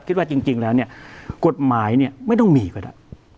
คิดว่าจริงแล้วเนี่ยกฎหมายเนี่ยไม่ต้องมีก็ได้